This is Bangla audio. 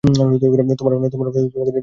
তোমার মা তোমাকে নিতে আসবে, ঠিক আছে?